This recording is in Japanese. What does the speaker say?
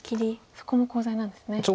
そこもコウ材なんですね。